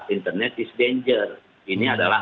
internet is danger ini adalah